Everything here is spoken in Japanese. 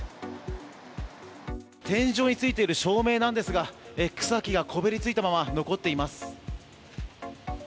天井についている照明なんですが草木がこびりついたまま残っています。